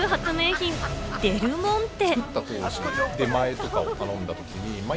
品・デルモンテ。